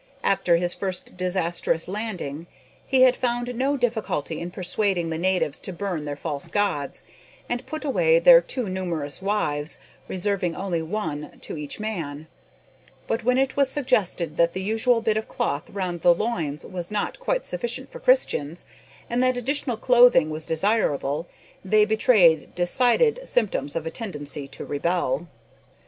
After his first disastrous landing, he had found no difficulty in persuading the natives to burn their false gods, and put away their too numerous wives reserving only one to each man; but when it was suggested that the usual bit of cloth round the loins was not quite sufficient for Christians, and that additional clothing was desirable, they betrayed decided symptoms of a tendency to rebel.